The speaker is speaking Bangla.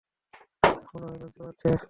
মনে হয় লজ্জা পাচ্ছে!